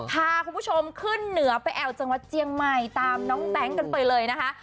พาคุณผู้ชมขึ้นเหนือไปแอวจังหวัดเจียงใหม่ตามน้องแบงค์กันไปเลยนะคะ